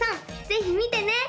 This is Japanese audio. ぜひ見てね！